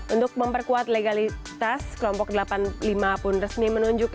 untuk memperkuat legalitas kelompok delapan puluh lima pun resmi menunjukkan